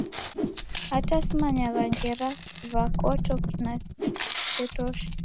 Hata simanyagha ngera w'akota kina chetosha